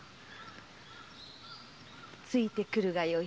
ついて来るがよい。